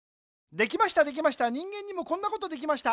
できましたできました人間にもこんなことできました。